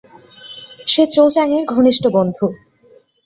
সে Cho Chang এর ঘনিষ্ঠ বন্ধু।